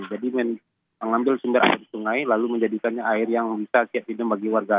jadi mengambil sumber air di sungai lalu menjadikannya air yang bisa siap minum bagi warga